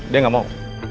dia gak mau